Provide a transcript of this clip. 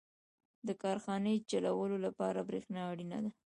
• د کارخانې چلولو لپاره برېښنا اړینه ده.